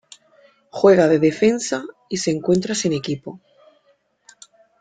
Juega de defensa y se encuentra sin equipo.